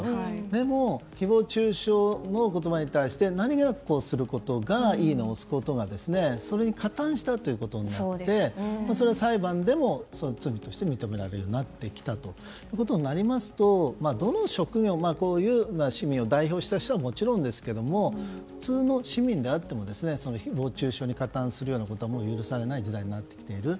でも、誹謗中傷の言葉に対して何気なく、いいねを押すことがそれに加担したということになってそれは裁判でも罪として認められるようになってきたことになりますとどの職業、こういう市民を代表してる人はもちろんですが普通の市民であっても誹謗中傷に加担するようなことは許されない時代になってきている。